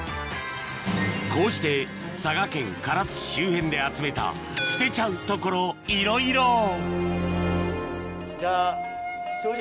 こうして佐賀県唐津市周辺で集めた捨てちゃうところいろいろじゃあ。